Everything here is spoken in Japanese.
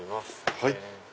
はい。